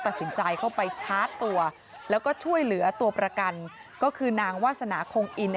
ตัดสินใจเข้าไปชาร์จตัวแล้วก็ช่วยเหลือตัวประกันก็คือนางวาสนาคงอิน